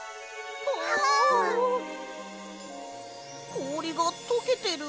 こおりがとけてる！